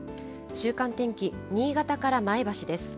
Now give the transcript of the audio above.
週間天気、新潟から前橋です。